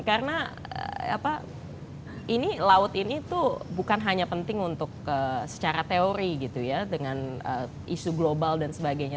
karena apa ini laut ini tuh bukan hanya penting untuk secara teori gitu ya dengan isu global dan sebagainya